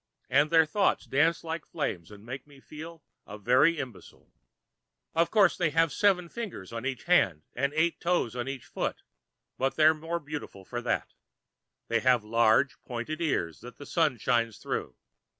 And their thoughts dance like flames and make me feel a very imbecile. "Of course, they have seven fingers on each hand and eight toes on each foot, but they're the more beautiful for that. They have large pointed ears that the Sun shines through.